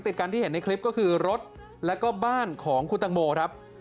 ติดกันที่เห็นในคลิปก็คือรถแล้วก็บ้านของคุณตังโมครับ